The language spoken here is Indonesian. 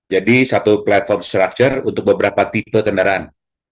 jadi satu platform structure untuk beberapa tipe kendaraan